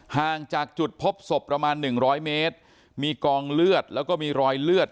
ห่างจากจุดพบศพประมาณหนึ่งร้อยเมตรมีกองเลือดแล้วก็มีรอยเลือด